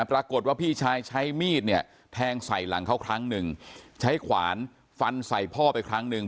ปรากฏว่าพี่ชายใช้มีดเนี่ยแทงใส่หลังเขาครั้งหนึ่งใช้ขวานฟันใส่พ่อไปครั้งหนึ่ง